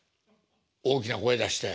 「大きな声出して」。